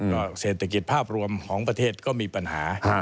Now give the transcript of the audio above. ก็เศรษฐกิจภาพรวมของประเทศก็มีปัญหา